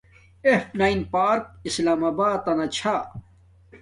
ایف نین پاک اسلام آباتنا چھا